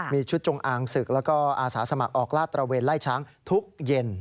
มีชุดจงอางศึกแล้วก็อาสาสมัครออกลาดตระเวนไล่ช้างทุกเย็น